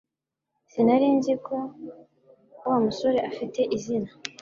Sinari nzi ko Wa musore afite izina